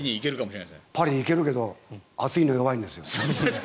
パリに行けるけど暑いの弱いんですよ。